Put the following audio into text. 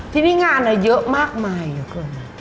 ที่นี่งานน่ะเยอะมากมายละกิ่ง